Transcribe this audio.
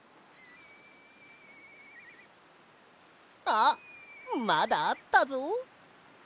あっまだあったぞ。